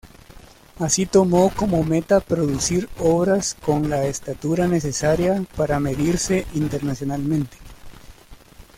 Así tomó como meta producir obras con la estatura necesaria para medirse internacionalmente.